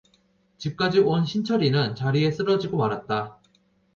집까지 온 신철이는 자리에 쓰러지고 말았다.